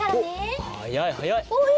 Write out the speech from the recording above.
はやいはやい。